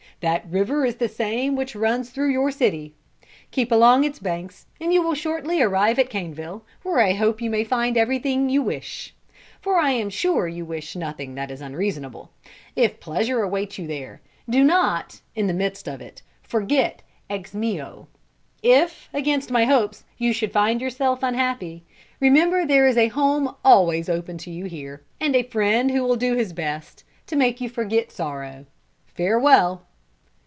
That river is the same which runs through your city. Keep along its banks and you will shortly arrive at Caneville, where I hope you may find everything you wish for I am sure you wish nothing that is unreasonable. If pleasure awaits you there, do not, in the midst of it, forget Ximio. If, against my hopes, you should find yourself unhappy, remember there is a home always open to you here, and a friend who will do his best to make you forget sorrow. Farewell!"